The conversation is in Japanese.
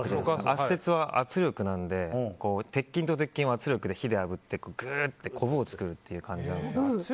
圧接は圧力なので鉄筋と鉄筋を圧力で火であぶってぐってこぶを作るという感じで。